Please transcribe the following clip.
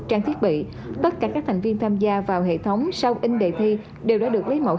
trang thiết bị tất cả các thành viên tham gia vào hệ thống sau in đề thi đều đã được lấy mẫu